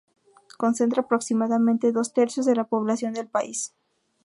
Concentra aproximadamente dos tercios de la población del país.